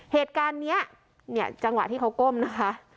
เหตุการณ์นี้เนี่ยจังหวะที่เขาก้มนะคะ